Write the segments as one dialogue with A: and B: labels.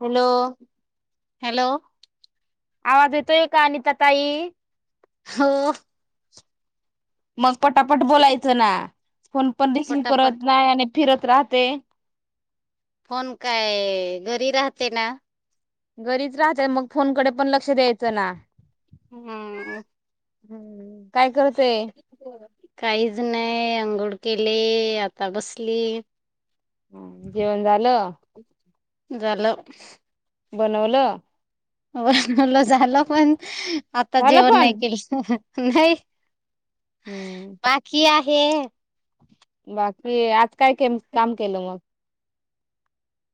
A: Hello,
B: hello,
A: आवाज येतोय का अनिता ताई,
B: हो,
A: मग पटापट बोलायचं ना, फोन पण रिसीव
B: पटापट
A: करत नाही आणि फिरत राहत, ते
B: फोन काय घरी राहते ना,
A: घरीच राहतेय मग फोनकडे पण लक्ष द्यायचं ना,
B: हम
A: हम्म काय करत
B: काहीच नाही अंघोळ केले आता बसली
A: हम जेवण झालं
B: झाल
A: बनवलं
B: नल झालं पण आता
A: झालं
B: जेवण नाही
A: पण
B: केलं ह नाही
A: हम्म
B: हे
A: बाकी आज काय के काम केलं मग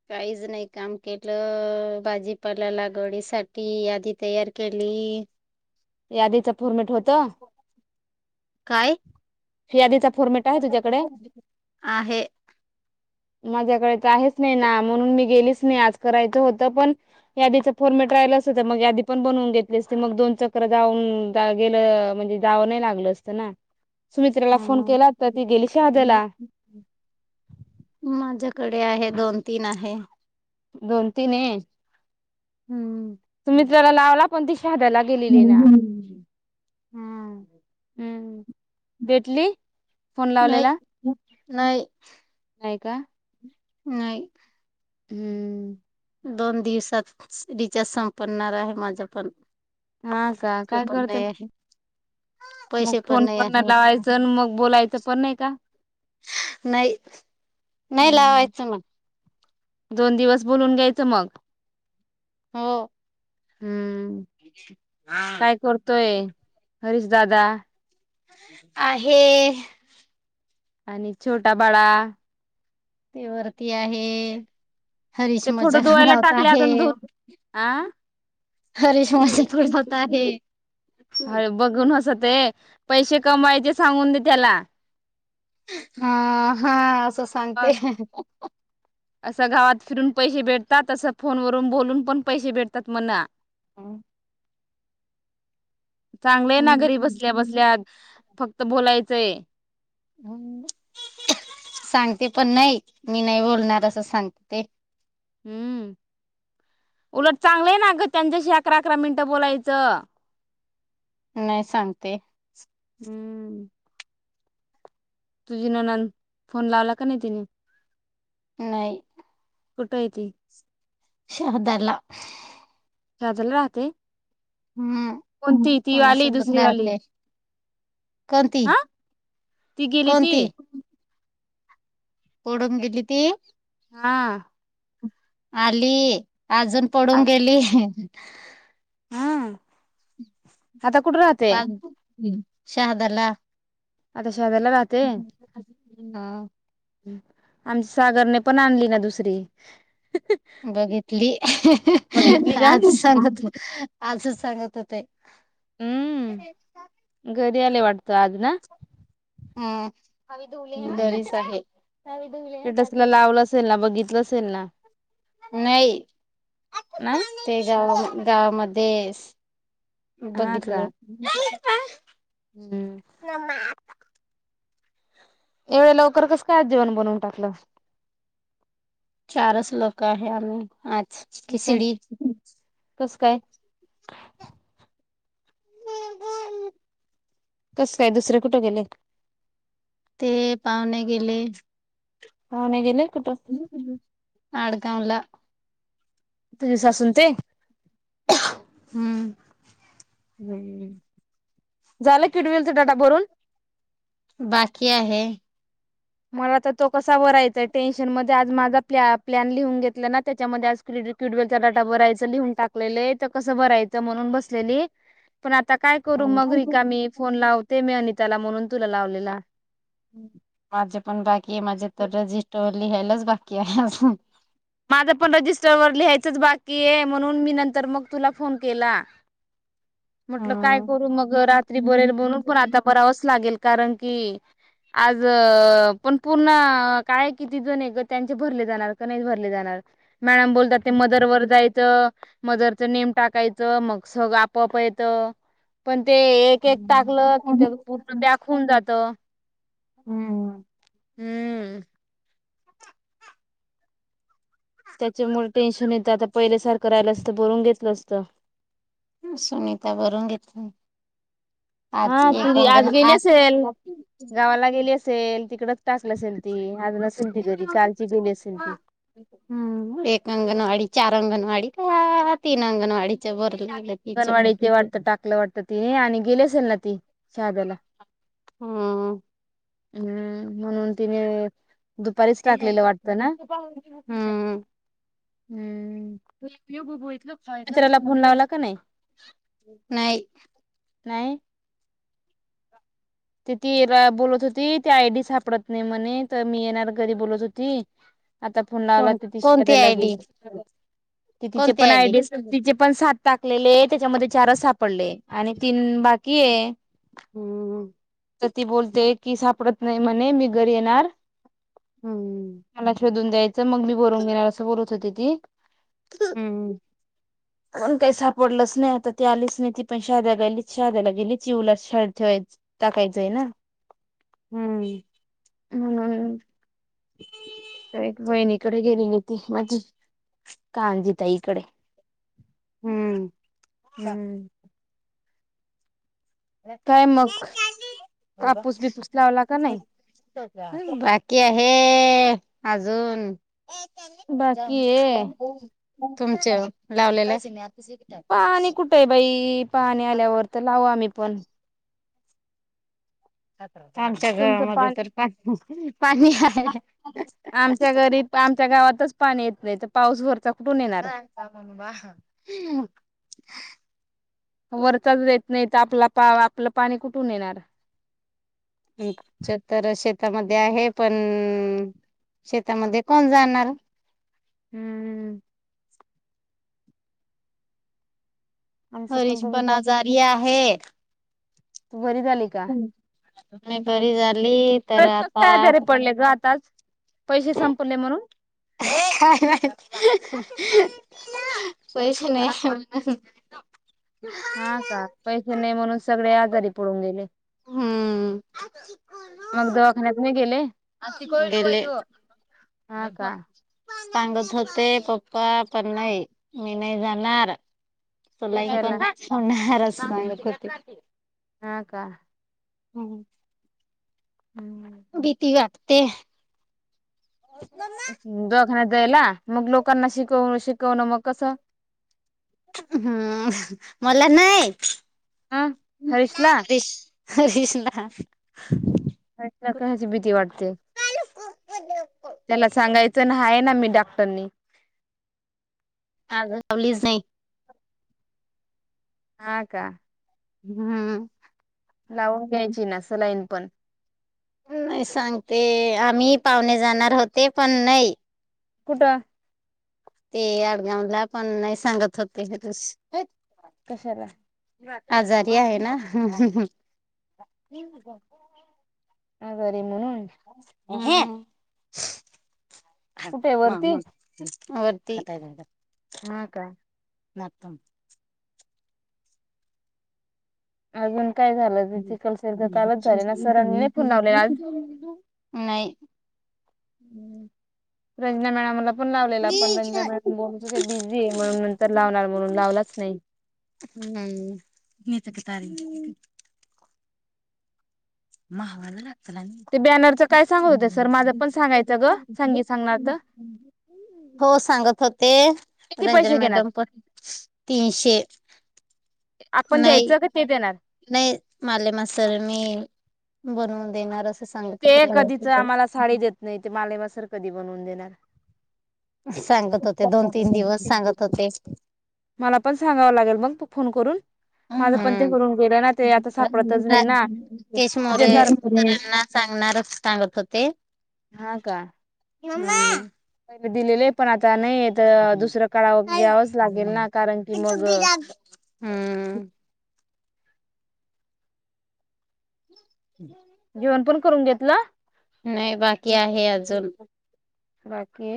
B: काहीच नाही काम केलं भाजीपाला लागवडी सा आधी तयार केली अ
A: यादीच फर्मेट होत
B: काय
A: ह आदीचा
B: आहे
A: माझ्याकडे तर आहेच नाही ना म्हणून मी गेलीच नाही आज करायचं होतं पण याच फोर मटर मग याी पण बनवून घेतली असते मग दोन चक्र जाऊन गेलं म्हणजे जावं नाही लागलं चना सुमित्राला फोन
B: हम्म.
A: केला तर ती गेली शहादल
B: कडे आहे दोन तीन आहे
A: दोन तीन हे
B: हम्म
A: त मित्राला लावला पण ती शहाद्याला गेलेली ना
B: हम् ह् हम्
A: हम् भेटली फोन
B: नाही
A: लावलेला नाही का
B: नाही
A: हम्म
B: दोन दिवसात रिचार्ज संपनणार आहे माझं पण
A: हा का
B: ते
A: काय
B: पण
A: करते
B: नाही आहे
A: मग फोन पण नाही लावायचं मग बोलायचं पण नाही का
B: नाही नाही
A: हम्म
B: लावायचं मग
A: दोन दिवस बोलून घ्यायचं मग
B: हो
A: हम्म
B: हा
A: काय करतोय हरीश दादा
B: आहेहे
A: आणि छोटा बळा
B: ते वरती आहे हरीश
A: ते फोटो
B: मजाक
A: धुवायला
B: रावत
A: टाकले
B: आहे
A: अजून धू आ
B: हरेशस पड होत आहे
A: ते पैसे कमायचे सांगून दे त्याला
B: हा हा असं सांगते
A: असं गावात फिरून पैसे भेटतात असं फोन वून बोलून पण पैसे भेटतात मना
B: हम
A: चांगलंय ना घरी बसल्या
B: हम्म.
A: बसल्यात फक्त बोलायचंय
B: ह् सांगते पण नाही मी नाही बोलणार असं सांगते त
A: हम्म उलट चांगलंय ना
B: नाही सांगते
A: हम्म तुझी नणंद फोन लावला का नाही तिने
B: नाही
A: कुठयती
B: शहदला
A: खजला राहते
B: हम्म
A: कोणती ती वाली
B: कोणासोबत
A: दुसरी वाली
B: राहते कोणती
A: हा ती गेली ती
B: कोणती पडून गेली ती
A: हा
B: आली अजून पडून गेली
A: हम आता कुठ राहते
B: हम् शहादला
A: आता शहदला राहते
B: हा
A: आमच्या सागरने पण आणली ना दुसरी
B: बघितली
A: बघितली का
B: आज सांगत आजच सांगत होते ते
A: गेले वाटते अज ना
B: हम्म
A: हम्
B: घरीच आहे
A: स्टेटस्ला लावलं असेल ना बघित सेल ना
B: नाही
A: नाही
B: ते गावा गावामध्ये
A: हा का
B: बघितलं
A: हम्म एवढे लवकर कस काय आज जीवन बनवून टाकलं
B: चारच लोक आहे आम्ही आज
A: कोण
B: खिचडी
A: कोण कस काय कस काय दुसरे कुठे गेले
B: ते पाहुणे गेले
A: पाहुणे गेले कुठं
B: आडगावला
A: तुझ सासूनच आहे
B: हम्म
A: हम् झालं किड मिलच डबा भरून
B: बाकी आहे.
A: मला तर तो कसा वरायचा टेन्शन मध्ये आज माझा प प्लॅन लिहून घेतला ना त्याच्यामध्ये आज क किड वेल चा डाटा भरायचा लिहून टाकलेय तर कस भरायच म्हणून बसलेली पण आत काय करू मग रिकामी फोन लावते मी अनिताला म्हणून तुला लावलेला
B: माझे पण बाकी आहे माझे तर रजिस्टरवर लिहायलाच बाकी आहे अजून
A: माझं पण रजिस्टरवर लिहायचंच बाकी आहे म्हणून मी न तर मग तुला फोन केला म्हटलं काय
B: हम्म.
A: करू मग रात्री बरेल बनून पण आता बरावंच लागेल कारण कि आज पण पूर्ण काय किती जण आहे ग त्यांचे भरले जाणार काय नाय भरले जाणार मॅडम बोलतात ते मदर वर जाय च मदर च नेम टाकायचं मग सगळं आपोआप येत पण ते एक एक टाकलं की त्यारण दाखवून जात
B: हम्म
A: हम्म त्याच्यामुळे टेन्शन येतं आता पहिल्या सारखं राहिलं असतं बरून घेतलं असतं
B: सुनीता भरून घेतली. आज
A: हा
B: एक
A: तुरी आज
B: अंगण
A: गेली असेल गावाला गेली. असेल तिकडक ताासला असेल ती आज नसेल ती घरी कालची गेली असेल ती.
B: हम्म एक अंगणवाडी चार अंगणवाडी ह तीन अंगणवाडीच्या बर
A: अंगणवाडी इथे वाटत टाकलं वाटतं तिने आणि गेली असेल ना ती शहाद्याला
B: हम्म
A: हम्म म्हणून तिने दुपारीच टाकलेलं वाटतं ना
B: हम. त
A: हम्म
B: ब
A: मित्राला फोन लावला का नाही
B: नाही
A: नाही ते ती बोलत होती ती आयडी सापडत नाही म्हणे तर मी येणार घरी बोलत होती आता फोन लावला
B: कोण
A: तिथि
B: कोणती
A: शेरायला गेल
B: आयडी
A: तिचे
B: कोणती
A: पण
B: आयडी
A: आयडिया त आपण सात टाकलेले त्याच्यामध्ये चारच सापडले आणि तीन बाकी आहे
B: हम्म.
A: तर ती बोलते की सापडत नाही म्हणे मी घरी येणार.
B: हम्म
A: मला शोधून द्यायचं मग मी बरून घेणार अस बोलत होते ती,
B: हम्म,
A: कोण काही सापडलंच नाही आता ती आलीच नाही ती पण शाद्याला गयलीच शाद्याला गेली चिऊला शाळेत ठेवायच टाकायचंय ना
B: हम्म,
A: म्हणून वहिणीकडे गेलेली होती माझी कांजी ताई कडे
B: हम्म
A: हम्म. काय मग. कापूस बिपूस लावला का नाही
B: बाकी आहे. अजून
A: बाकी आहे
B: तुमच्या लावलेला सिने
A: पाणी कुठे आहे बाई पाणी आल्यावर तर लावू आम्ही पण
B: आमच्या
A: तुमचं
B: घरामध्ये
A: पान
B: तर पाणी पाणी आहे
A: आमच्या घरी आमच्या गावातच पाणी येत नाही तर पाऊस वरचं
B: हा कामाबा
A: वरचाच देत नाही तर आपलं पा आपलं पाणी कुठून येणार
B: तर शेतामध्ये आहे पण शेतामध्ये कोण जाणार.
A: हम्मम आमचं
B: हरीश
A: तसंच
B: पण अजारी आहे.
A: तू बरी झाली का.
B: मी बरी झाली तर
A: बरच कस
B: आता,
A: काय आजारी पडले ग आताच पैसे संपले म्हणून?
B: हायय [inaudible] पैसे
A: हा
B: नाही म
A: हा का पैसे नाही, म्हणून सगळे आजारी पडून गेले.
B: हम्म
A: मग दवाखान्यात नाही गेले.
B: दिले.
A: हा का
B: सांगत होते पप्पा पण नाही मी नाही जाणार. सलाईन पण
A: कशाला
B: होणारच नाही.
A: हा का.
B: हम्म.
A: हम्म
B: भीती वाटते.
A: दवाखान्यात जायला मग लोकांना शिकव, शिकवणं, मग कसं
B: हम्म मला नाही.
A: ह हरीशला
B: [unintelligible] हरीष ला
A: हर्षला कशाची भीती वाटते.
B: हा [inaudible]
A: त्याला सांगायचं ना, आहे ना मी डॉक्टरनी
B: आज लावलीच नाही.
A: हा का.
B: हम्म.
A: लावून घ्यायची ना, सलाईन पण
B: नाही सांगते आम्ही पाहुणे जाणार होते. पण नाही
A: कुठं?
B: ते आडगावला पण नाही सांगत होते. [unintelligible]
A: कशाला?
B: आजारी आहे ना,
A: आजारी म्हणून
B: घे
A: कुठे
B: मांग
A: वरती
B: मांगा वरती काय?
A: ह का
B: नतम
A: आग काय झालं तेथिकलसर्ग कालच झाले ना, सर आणि नाही फोन लावलेला आज
B: नाही
A: ् रंजना मॅडमला पण लावलेला पण रंजा
B: हम्म
A: मॅड बोच ते बिझी आहे म्हणून नंतर लावणार म्हणून लावलाच नाही
B: हम्त क तरी माहावाल ढतरदद
A: ते बॅनरचं काय सांगत होते सर माझं पण सांगायचं ग सांगी सांगणार तर
B: हो सांगत होते
A: किती
B: रंजन
A: पैसे घेणार?
B: मॅडम पण तीनशे
A: आपण
B: नाही
A: द्यायचं क ते दे येणार
B: नाही माले मासर मी बनवून देणार अस
A: ते कधीच आम्हाला साडी देत नाही ते माले म सर कधी बनवून देणार
B: सांगत होते दोन तीन दिवस सांगत होते.
A: मला पण सांगावं लागेल मग फोन करून माझं पण ते
B: हम्म
A: करून गेलं ना ते आता सापडतच नाही ना
B: राकेश मोरे
A: तुझ्यासारख
B: सरांना सांगणारच सांगत होते
A: हा का
B: येवंद
A: दिलेले आहे पण आता नाही दुसरं काळावर घ्यावंच लागेल ना कारण की मग
B: हम्
A: जेवण पण करून घेतला
B: नाही बाकी आहे अजून
A: बाकी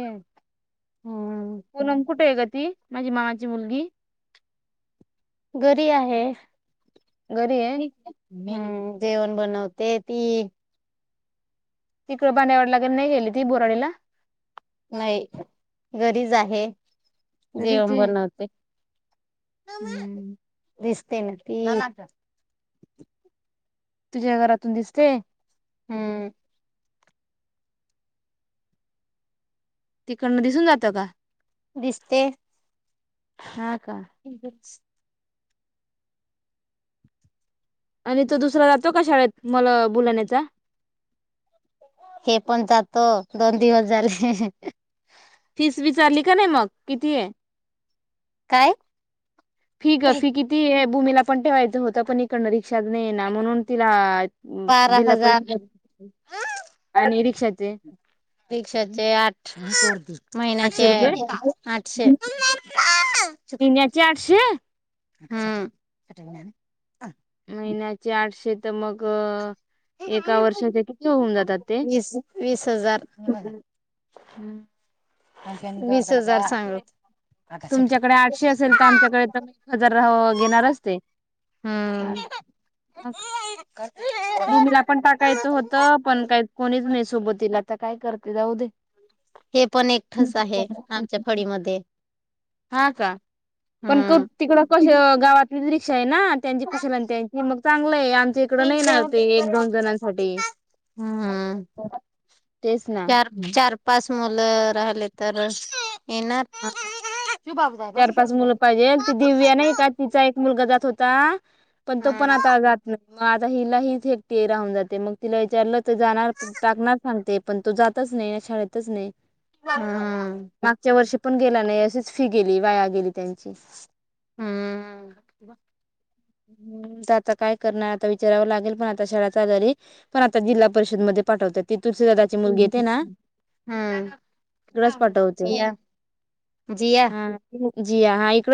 B: हम्म
A: पनम कुठे आहे का ती माझी माची मुलगी
B: घरी आहे
A: घरी आहे
B: हम्म जेवण बनवते ती
A: तिकडं बांडावरलागेर नाही गेली ती बोराणीला
B: नाही घरीच आहे
A: घरीच
B: जेवण
A: आहे
B: बनवते
A: हम्म
B: दिस ते न ते
A: तुझ्या घरातून दिसते
B: हम्म
A: तिकडनं दिसून जात का
B: दिसते
A: हा का
B: ठीक आहे
A: आणि तो दुसरा जातो का शाळेत मला बोलाण्याचा
B: हे पण जातो दोन दिवस झाले
A: फीस विचारली का नाही मग किती आहे
B: काय
A: फी ग फी किती भूमीला पण ठेवायचं होतं पण इकडणार शिक्ष न ना म्हणून तिला
B: बारा
A: जिल्हा
B: हजार
A: परिषद हा निरीक्षाेत
B: रिक्षाचे आठ
A: आठशे
B: महिन्याचे
A: रुपये
B: आठशे
A: तण्याचे आठशे
B: ह
A: महिन्याचे आठशे तर मग एका वर्षाचे किती होऊन जातात ते
B: वीस वीस हजार
A: हम्म
B: वीस हजार सांगत
A: तुमच्याकडे आठशे असेल तर आमच्याकडे तर एक हजार रा घेणार असते
B: का
A: भूमीला पण टाकायचं होतं पण काही कोणीच नाही सोबतीला, आता काय करते जाऊ दे
B: हे पण एक ठस आहे. आमच्या फळीमध्ये
A: हा का पण क
B: हम्म
A: तिकडं कस गावातली ना, त्यांची कुशल आणि त्यांची मग चांगलं आहे आमच्या इकड नई णा ते एक दोन जणांसाठी
B: हम्म
A: तेच ना
B: चार चार पाच मुलं राहिले तरच
A: हा चार पाच मुलं पाहिजेल ती दिव्या नाही का तिचा एक मुलगा जात होत. ता पण तो पण
B: हम्म
A: आता जात नाही. मग आता हिला हीच एकटी राहून जाते मग तिला विचारलं तर जाणार टाकणार सांगते. पण तो जातच नाही ना शाळेतच नाही.
B: हम्म.
A: मागच्या वर्षी पण गेला नाही अशीच फी गेली वाया गेली त्यांची.
B: हम्म.
A: हम्म त आता काय करणार आता विचारावं लागेल पण आता आत शाळा चालू झाली. पण आता जिल्हा परिषदमध्ये. पाठवते ती [unintelligible] दादाची मुलगी येते ना,
B: हम्म
A: तिकडच पाठवतो.
B: जिया जिया
A: हा जीया हा इकडे